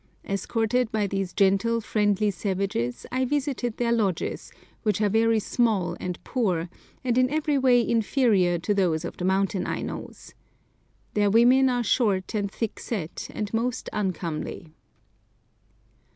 Escorted by these gentle, friendly savages, I visited their lodges, which are very small and poor, and in every way inferior to those of the mountain Ainos. The women are short and thick set, and most uncomely.